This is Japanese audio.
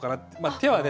手はね